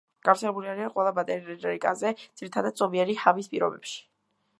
გავრცელებული არიან ყველა მატერიკაზე, ძირითადად ზომიერი ჰავის პირობებში.